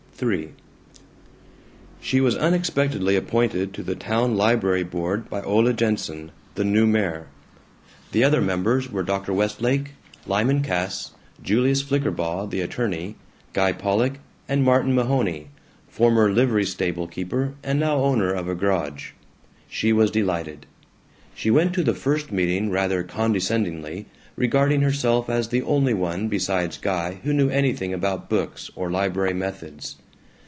III She was unexpectedly appointed to the town library board by Ole Jenson, the new mayor. The other members were Dr. Westlake, Lyman Cass, Julius Flickerbaugh the attorney, Guy Pollock, and Martin Mahoney, former livery stable keeper and now owner of a garage. She was delighted. She went to the first meeting rather condescendingly, regarding herself as the only one besides Guy who knew anything about books or library methods.